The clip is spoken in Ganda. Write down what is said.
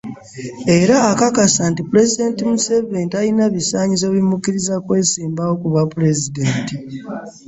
Era akakasa nti Pulezidenti Museveni talina bisaanyizo bimukkiriza kwesimbawo ku bwa pulezidenti.